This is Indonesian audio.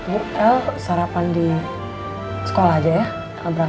bu el sarapan di sekolah aja ya